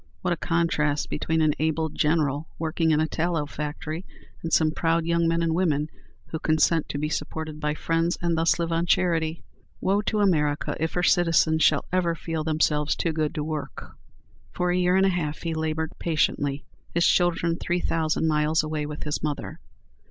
What a contrast between an able general working in a tallow factory, and some proud young men and women who consent to be supported by friends, and thus live on charity! Woe to America if her citizens shall ever feel themselves too good to work! For a year and a half he labored patiently, his children three thousand miles away with his mother.